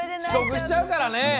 ちこくしちゃうからね。